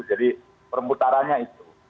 jadi permutarannya itu